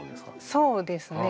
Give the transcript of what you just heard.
そうですね。